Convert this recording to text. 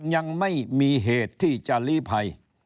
ยังไม่มีเหตุที่จะลีภัย